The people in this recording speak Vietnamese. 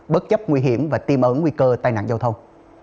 bất chấp nguy hiểm và tìm ấn nguy cơ tai nạn giao thông